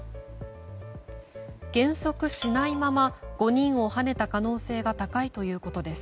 減速しないまま５人をはねた可能性が高いということです。